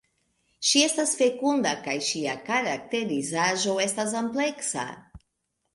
Ŝi estas fekunda kaj ŝia karakterizaĵo estas ampleksa.